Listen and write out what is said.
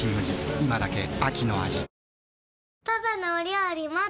今だけ秋の味